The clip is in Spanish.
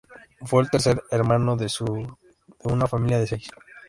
Fue el tercer hermano de una familia de seis.